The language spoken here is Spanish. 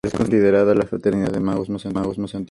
Es considerada la fraternidad de magos más antigua en el mundo.